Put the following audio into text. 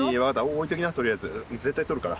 置いときなとりあえず。絶対とるから。